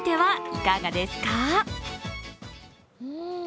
いかがですか？